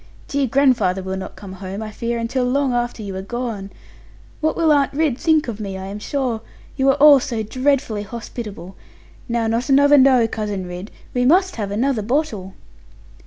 Dear grandfather will not come home, I fear, until long after you are gone. What will Aunt Ridd think of me, I am sure? You are all so dreadfully hospitable. Now not another "no," Cousin Ridd. We must have another bottle.'